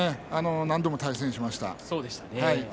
何度も対戦しました。